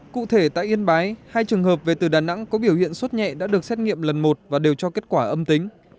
cụ thể tại yên bái hai trường hợp về từ đà nẵng có biểu hiện suốt nhẹ đã được xét nghiệm lần một và đều cho kết quả âm tính